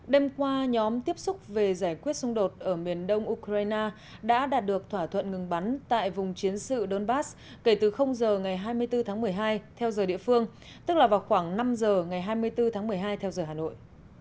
đêm qua nhóm tiếp xúc về giải quyết xung đột ở miền đông ukraine đã đạt được thỏa thuận ngừng bắn tại vùng chiến sự donbass kể từ giờ ngày hai mươi bốn tháng một mươi hai theo giờ địa phương tức là vào khoảng năm giờ ngày hai mươi bốn tháng một mươi hai theo giờ hà nội